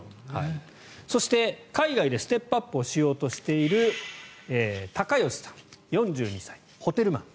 そして、海外でステップアップをしようとしているタカヨシさん、４２歳ホテルマン。